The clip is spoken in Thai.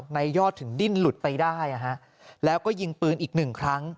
ยอดถึงดิ้นหลุดไปได้แล้วก็ยิงปืนอีกหนึ่งครั้ง